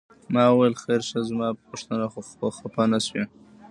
ما وویل خیر شه زما په پوښتنه خو خپه نه شوې؟